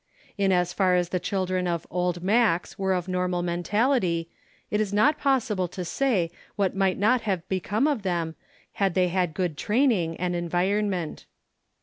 In as far as the children of "Old Max" were of normal mentality, it is not possible to say what might WHAT IT MEANS 53 not have become of them, had they had good training and environment.